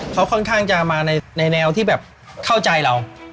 เขาค่อนข้างจะมาในแนวที่แบบเข้าใจเรา